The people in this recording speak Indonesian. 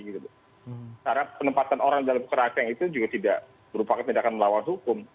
karena penempatan orang dalam kerangkang itu juga tidak merupakan tindakan melawan hukum